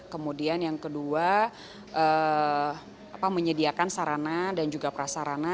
kemudian yang kedua menyediakan sarana dan juga prasarana